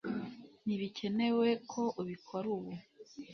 ntibikenewe ko ubikora ubu